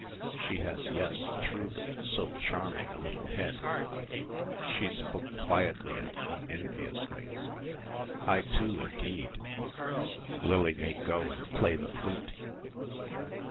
She has yes truly so charming a little head." She spoke quietly and unenviously. "I too, indeed. Lily may go and play the flute."